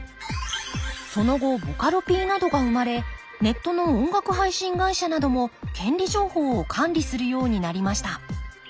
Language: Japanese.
その後ボカロＰなどが生まれネットの音楽配信会社なども権利情報を管理するようになりました。